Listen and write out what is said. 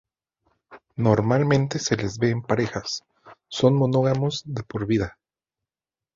Normalmente se les ve en parejas, son monógamos de por vida.